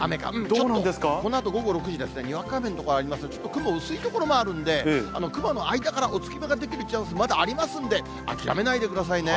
ちょっと、このあと午後６時ですね、にわか雨の所があります、ちょっと雲薄い所もあるんで、雲の間からお月見ができるチャンスまだありますんで、諦めないでくださいね。